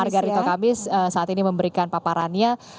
margarito kamis saat ini memberikan paparannya